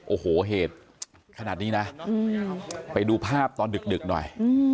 โอ้โหเหตุขนาดนี้นะไปดูภาพตอนดึกหน่อย